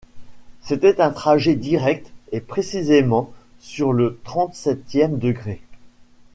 C’était un trajet direct et précisément sur le trente-septième degré.